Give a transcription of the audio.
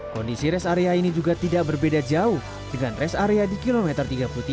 kondisi rest area ini juga tidak berbeda jauh dengan rest area di kilometer tiga puluh tiga